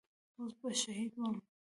اوس به شهيد وم.